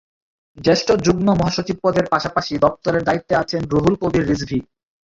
জ্যেষ্ঠ যুগ্ম মহাসচিব পদের পাশাপাশি দপ্তরের দায়িত্বে আছেন রুহুল কবির রিজভী।